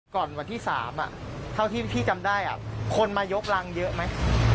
ก่อนวันที่๓เท่าที่พี่จำได้คนมายกรังเยอะไหม